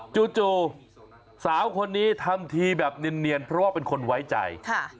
จู่สาวคนนี้ทำทีแบบเนียนเพราะว่าเป็นคนไว้ใจ